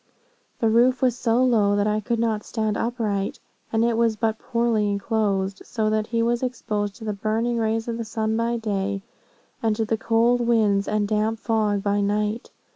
The roof was so low, that I could not stand upright; and it was but poorly enclosed, so that he was exposed to the burning rays of the sun by day, and to the cold winds and damp fog by night.